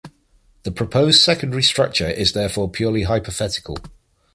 The proposed secondary structure is therefore purely hypothetical.